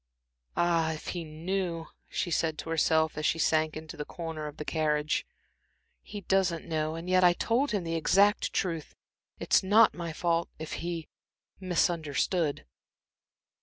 "Ah, if he knew!" she said to herself, as she sank into her corner of the carriage. "He doesn't know. And yet I told him the exact truth. It's not my fault, if he misunderstood."